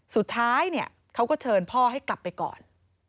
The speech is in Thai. สุดท้ายเนี่ยเขาก็เชิญพ่อให้กลับไปก่อน